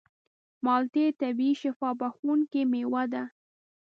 مالټې طبیعي شفا بښونکې مېوه ده.